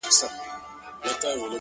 ښه به وي چي دا يې خوښـــه ســـوېده؛